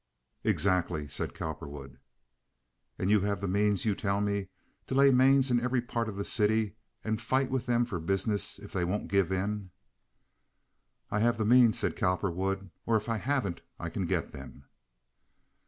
"Exactly," said Cowperwood. "And you have the means, you tell me, to lay mains in every part of the city, and fight with them for business if they won't give in?" "I have the means," said Cowperwood, "or if I haven't I can get them."